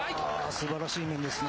すばらしい面ですね。